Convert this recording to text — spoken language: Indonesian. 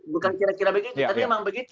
bukan kira kira begitu tapi emang begitu